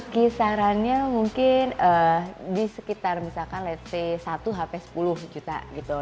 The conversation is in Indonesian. kisarannya mungkin di sekitar misalkan let's say satu hp sepuluh juta gitu